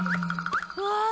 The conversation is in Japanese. うわ！